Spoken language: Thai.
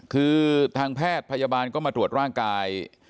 คือทางแพทย์พยาบาลก็มาตรวจร่างกาย